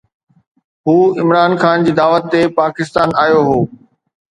هو عمران خان جي دعوت تي پاڪستان آيو هو.